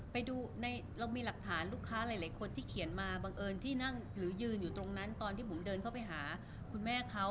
ไปดูในเรามีหลักฐานลูกค้าหลายคนที่เขียนมาบังเอิญที่นั่งหรือยืนอยู่ตรงนั้นตอนที่ผมเดินเข้าไปหาคุณแม่เขา